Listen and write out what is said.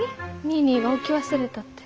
ニーニーが置き忘れたって。